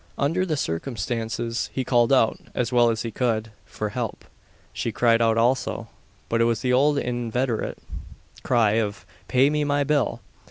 Under the circumstances, he called out, as well as he could, for help; she cried out also but it was the old inveterate cry of "Pay me my bill!"